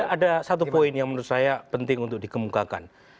ada satu poin yang menurut saya penting untuk dikemukakan